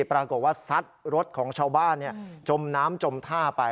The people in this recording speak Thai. ปรากฏว่าซัดรถของชาวบ้านจมน้ำจมท่าไป